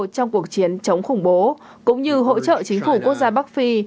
trong cuộc chiến chống khủng bố cũng như hỗ trợ chính phủ quốc gia bắc phi